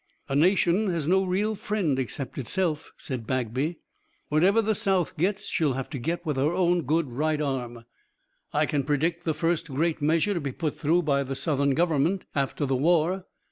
"A nation has no real friend except itself," said Bagby. "Whatever the South gets she'll have to get with her own good right arm." "I can predict the first great measure to be put through by the Southern Government after the war."